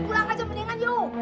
pulang aja mendingan yuk